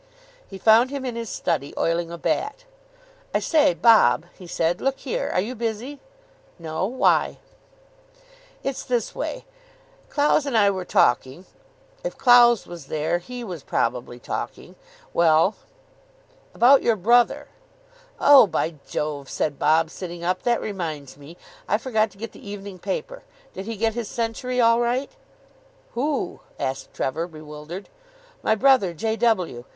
He found him in his study, oiling a bat. "I say, Bob," he said, "look here. Are you busy?" "No. Why?" "It's this way. Clowes and I were talking " "If Clowes was there he was probably talking. Well?" "About your brother." "Oh, by Jove," said Bob, sitting up. "That reminds me. I forgot to get the evening paper. Did he get his century all right?" "Who?" asked Trevor, bewildered. "My brother, J. W.